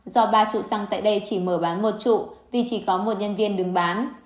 do ba trụ xăng tại đây chỉ mở bán một trụ vì chỉ có một nhân viên đứng bán